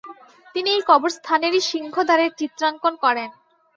তিনি এই কবরস্থানেরই সিংহদ্বারের চিত্রাঙ্কন করেন।